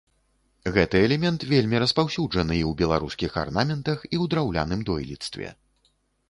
Гэты элемент вельмі распаўсюджаны і ў беларускіх арнаментах, і ў драўляным дойлідстве.